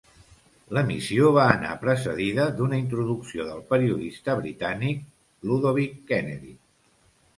L'emissió va anar precedida d'una introducció del periodista britànic Ludovic Kennedy.